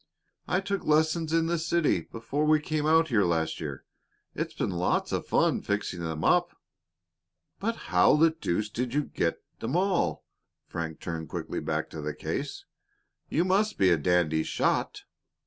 "I took lessons in the city before we came out here last year. It's been lots of fun fixing them up." "But how the deuce did you get 'em all?" Frank turned quickly back to the case again. "You must be a dandy shot."